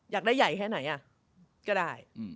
อยากได้ใหญ่แค่ไหนก็ได้